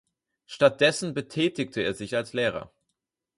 Stattdessen betätigte er sich als Lehrer.